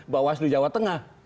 bawaslu jawa tengah